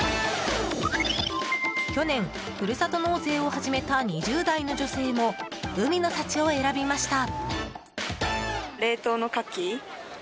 去年ふるさと納税を始めた２０代の女性も海の幸を選びました。